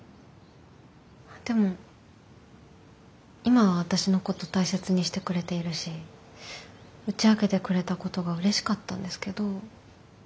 あっでも今は私のこと大切にしてくれているし打ち明けてくれたことがうれしかったんですけど。